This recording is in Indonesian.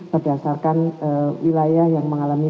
berdasarkan wilayah yang mengalami